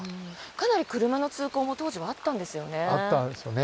かなり、車の通行も当時はあったんですよね。